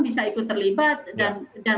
bisa ikut terlibat dan